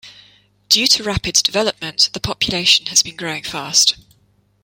Due to rapid development, the population has been growing fast.